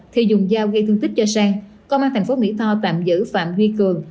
thì dùng dao gây thương tích cho sang công an thành phố mỹ tho tạm giữ phạm huy cường